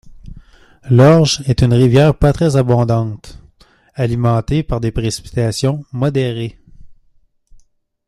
L'Orge est une rivière pas très abondante, alimentée par des précipitations modérées.